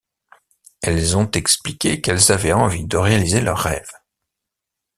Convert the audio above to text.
Elles ont expliqué qu'elles avaient envie de réaliser leurs rêves.